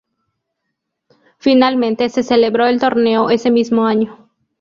Finalmente se celebró el torneo ese mismo año.